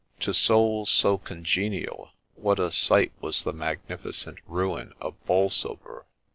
To souls so congenial, what a sight was the magnificent ruin of Bolsover